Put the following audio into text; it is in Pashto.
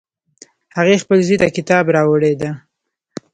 هغې خپل زوی ته کتاب راوړی ده